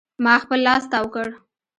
ما خپل لاس تاو کړ.